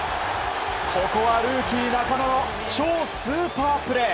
ここはルーキー中野の超スーパープレー。